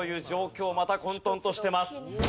また混沌としてます。